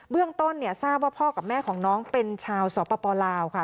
เรื่องต้นเนี่ยทราบว่าพ่อกับแม่ของน้องเป็นชาวสปลาวค่ะ